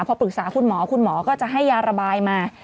พอปรึกษาคุณหมอคุณหมอก็จะให้ยาระบายมา